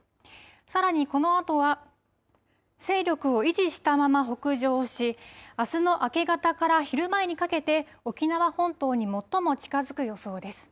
さらにこのあとは勢力を維持したまま北上しあすの明け方から昼前にかけて沖縄本島に最も近づく予想です。